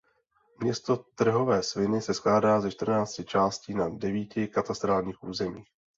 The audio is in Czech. Město Trhové Sviny se skládá ze čtrnácti částí na devíti katastrálních územích.